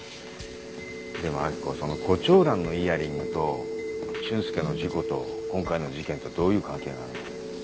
でも明子そのコチョウランのイヤリングと俊介の事故と今回の事件とどういう関係があるんだ？